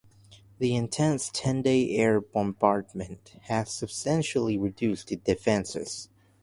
The intense ten-day air bombardment had substantially reduced the defences.